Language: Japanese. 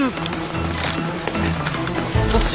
どっち？